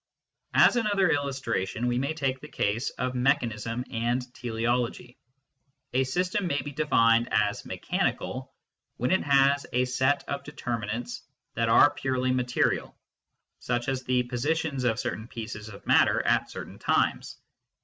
As another illustration we may take the case of mechanism and teleology. A system may be defined as " mechanical " when it has a set of determinants that are purely material, such as the positions of certain pieces of matter at certain times.